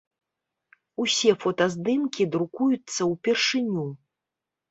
Усе фотаздымкі друкуюцца ўпершыню.